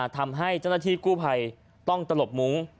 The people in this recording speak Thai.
ทำให้เจ้าหน้าที่กู้ภัยต้องตลบมุ้ง